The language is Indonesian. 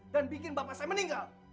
dan bikin bapak saya meninggal